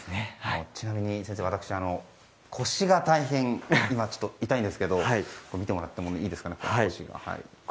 ちなみに先生、私腰が大変、痛いんですけど診てもらってもいいですかね。